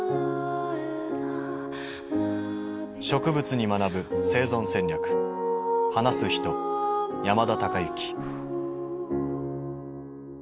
「植物に学ぶ生存戦略話す人・山田孝之」。